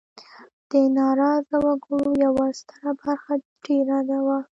د ناراضه وګړو یوه ستره برخه دېره وه.